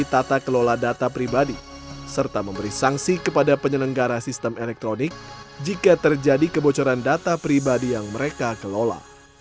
tata kelola data pribadi serta memberi sanksi kepada penyelenggara sistem elektronik jika terjadi kebocoran data pribadi yang mereka kelola